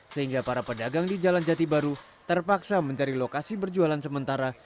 sehingga para pedagang di jalan jati baru terpaksa mencari lokasi berjualan sementara